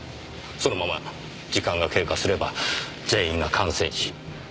そのまま時間が経過すれば全員が感染し発症します。